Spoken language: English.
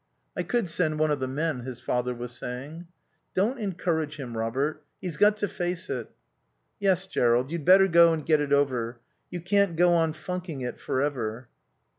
"I could send one of the men," his father was saying. "Don't encourage him, Robert. He's got to face it." "Yes, Jerrold, you'd better go and get it over. You can't go on funking it for ever."